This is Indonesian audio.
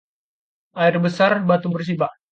Air besar batu bersibak